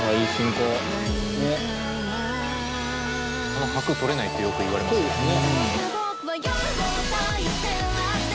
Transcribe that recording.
この拍とれないってよく言われますね。